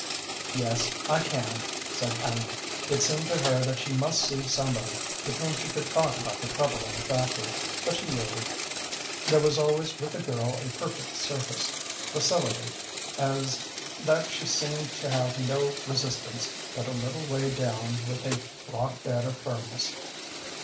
"Yes, I can," said Ellen. It seemed to her that she must see somebody with whom she could talk about the trouble in the factory, but she yielded. There was always with the girl a perfect surface docility, as that she seemed to have no resistance, but a little way down was a rock bed of firmness.